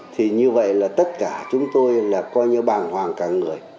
thì như vậy là tất cả chúng tôi là coi như bàng hoàng cả người